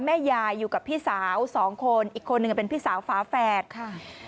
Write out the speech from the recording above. แม่ยายอยู่กับพี่สาว๒คนอีกคนเป็นพี่สาวฟ้าแฝดค่ะ